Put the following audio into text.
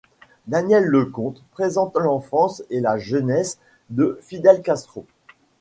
Daniel Leconte présente l'enfance et la jeunesse de Fidel Castro.